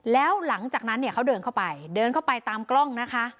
แล้วหลังจากนั้นเนี่ยเขาเดินเข้าไปเดินเข้าไปตามกล้องนะคะ